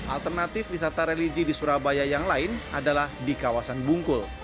alternatif wisata religi di surabaya yang lain adalah di kawasan bungkul